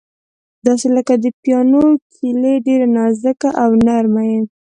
داسې لکه د پیانو کیلۍ، ډېره نازکه او نرمه یې.